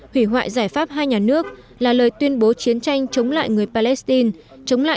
hủy hoại giải pháp hai nhà nước là lời tuyên bố chiến tranh chống lại người palestine